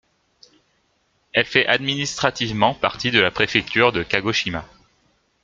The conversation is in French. Elle fait administrativement partie de la préfecture de Kagoshima.